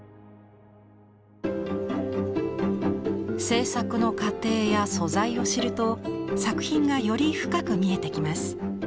制作の過程や素材を知ると作品がより深く見えてきます。